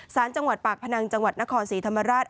สารจังหวัดปากพนังจังหวัดนครศรีธรรมราช